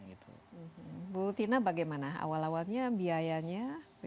ibu tina bagaimana awal awalnya biayanya